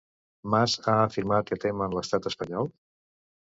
Mas ha afirmat que temen l'estat espanyol?